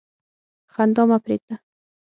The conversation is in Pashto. خندا مه پرېږده.